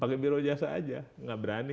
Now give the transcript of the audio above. pakai biro jasa aja nggak berani